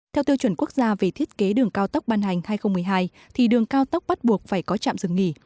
theo tiêu chuẩn quốc gia về thiết kế đường cao tốc ban hành hai nghìn một mươi hai thì đường cao tốc bắt buộc phải có trạm dừng nghỉ